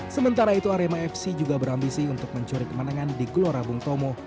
sementara itu arema fc juga berambisi untuk mencuri kemenangan di gelora bung tomo